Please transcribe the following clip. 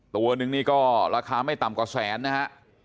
ตัวนึงนี่ก็ราคาไม่ต่ำกว่าแสนนะฮะ